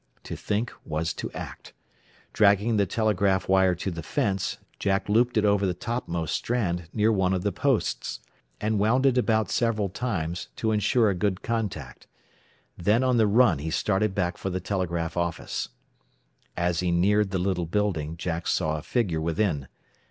To think was to act. Dragging the telegraph wire to the fence, Jack looped it over the topmost strand near one of the posts, and wound it about several times, to ensure a good contact. Then on the run he started back for the telegraph office. As he neared the little building Jack saw a figure within.